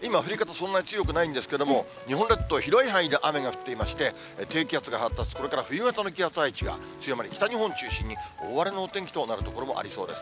そんなに強くないんですけども、日本列島、広い範囲で雨が降っていまして、低気圧が発達、これから冬型の気圧配置が強まり、北日本中心に大荒れのお天気となる所もありそうです。